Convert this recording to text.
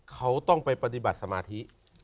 เขาต้องไปปฏิบัติสมาธิ